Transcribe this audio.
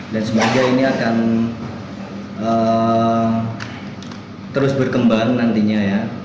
dan semoga ini akan terus berkembang nantinya ya